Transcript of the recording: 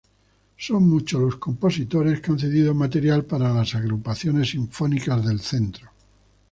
Son muchos los compositores que han cedido material para las agrupaciones Sinfónicas del centro.